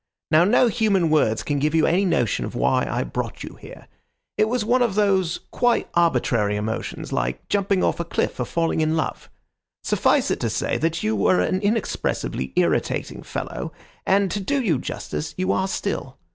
Now no human words can give you any notion of why I brought you here. It was one of those quite arbitrary emotions, like jumping off a cliff or falling in love. Suffice it to say that you were an inexpressibly irritating fellow, and, to do you justice, you are still.